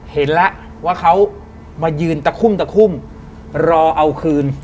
เห็นแล้วว่าเขามายืนตะคุ่มตะคุ่มรอเอาคืน